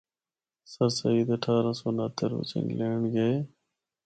سرسید اٹھارہ سو اُنہتر بچ انگلینڈ گئے۔